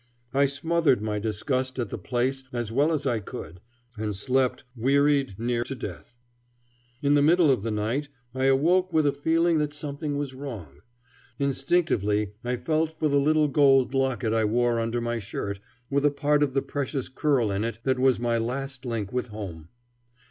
I smothered my disgust at the place as well as I could, and slept, wearied nearly to death. In the middle of the night I awoke with a feeling that something was wrong. Instinctively I felt for the little gold locket I wore under my shirt, with a part of the precious curl in it that was my last link with home.